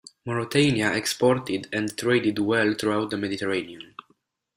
Mauretania exported and traded well throughout the Mediterranean.